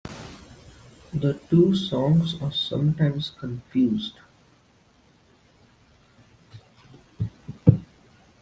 The two songs are sometimes confused.